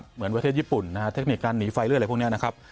เหมือนประเทศญี่ปุ่นนะฮะเทคนิคการหนีไฟเลือดอะไรพวกนี้นะครับ